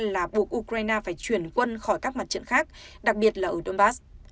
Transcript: là buộc ukraine phải chuyển quân khỏi các mặt trận khác đặc biệt là ở dombas